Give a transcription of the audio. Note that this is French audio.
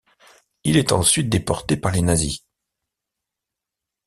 Il est ensuite déporté par les Nazis.